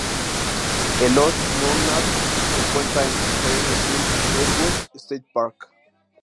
El Lost Monarch se encuentra en "Jedediah Smith Redwoods State Park".